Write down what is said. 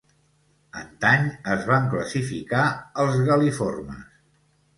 Antany es van classificar als gal·liformes.